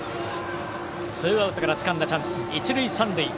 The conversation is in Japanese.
ツーアウトからつかんだチャンス、一塁三塁。